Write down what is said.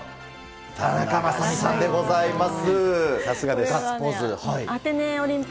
田中雅美さんでございます。